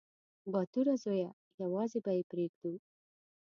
_باتوره زويه! يوازې به يې پرېږدو.